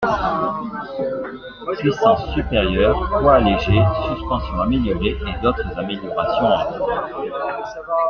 Puissance supérieure, poids allégé, suspension améliorée, et d'autres améliorations encore.